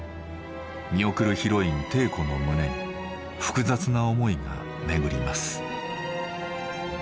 見送るヒロイン禎子の胸に複雑な思いがめぐります。